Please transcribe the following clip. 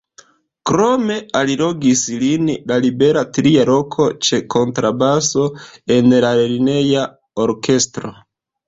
Krome allogis lin la libera tria loko ĉe kontrabaso en la lerneja orkestro.